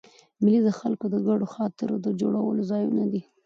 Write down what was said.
مېلې د خلکو د ګډو خاطرو د جوړولو ځایونه دي.